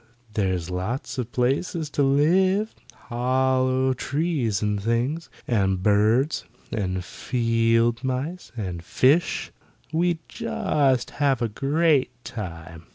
There's lots of places to live, hollow trees and things; and birds, and field mice, and fish; we'd just have a great time."